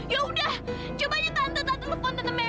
yaudah coba aja tante tante telepon tante mary